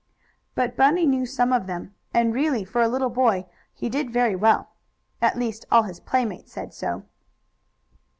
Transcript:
But Bunny knew some of them, and really, for a little boy, he did very well. At least all his playmates said so.